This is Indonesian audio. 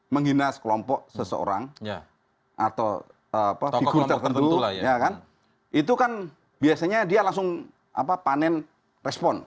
ya kan itu kan biasanya dia langsung panen respon